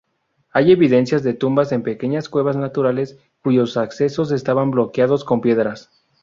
Hay evidencias de tumbas en pequeñas cuevas naturales, cuyos accesos estaban bloqueados con piedras.